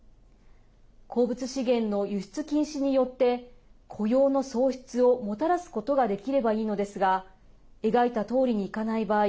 鉱物資源の輸出禁止によって雇用の創出をもたらすことができればいいのですが描いたとおりにいかない場合